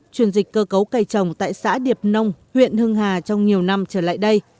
chuyển dịch cơ cấu cây trồng tại xã điệp nông huyện hưng hà trong nhiều năm trở lại đây